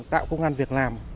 tạo công an việc làm